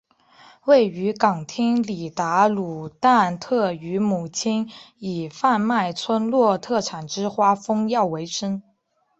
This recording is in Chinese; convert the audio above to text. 位于港町里达鲁旦特与母亲以贩卖村落特产之花封药为生。